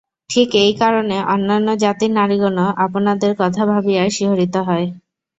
ঠিক একই কারণে অন্যান্য জাতির নারীগণও আপনাদের কথা ভাবিয়া শিহরিত হয়।